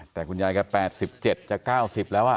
แต่คุณยายก็๘๗จะ๙๐แล้วอ่ะ